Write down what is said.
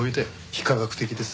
非科学的です。